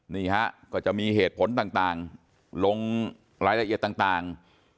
นี่ฮะก็จะมีเหตุผลต่างลงรายละเอียดต่าง